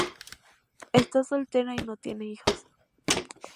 Está soltera y no tiene hijos.